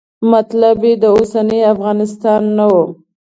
مطلب یې د اوسني افغانستان نه و.